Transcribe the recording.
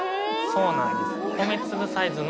そうなんです。